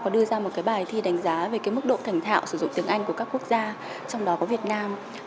đưa ra một bài thi đánh giá về mức độ thành thạo sử dụng tiếng anh của các quốc gia trong đó có việt nam